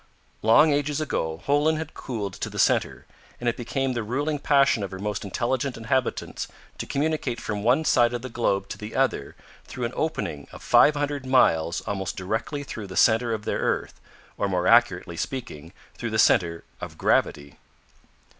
Long ages ago Holen had cooled to the center, and it became the ruling passion of her most intelligent inhabitants to communicate from one side of the globe to the other through an opening of five hundred miles almost directly through the center of their earth, or more accurately speaking, through the center of gravity.